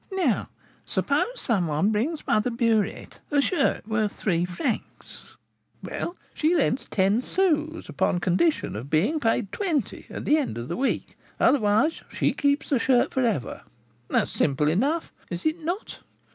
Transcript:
Now suppose: Some one brings Mother Burette a shirt worth three francs; well, she lends ten sous upon condition of being paid twenty at the end of the week, otherwise she keeps the shirt for ever. That is simple enough, is it not?